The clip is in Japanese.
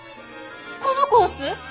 このコース